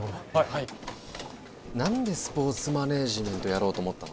はい何でスポーツマネージメントやろうと思ったの？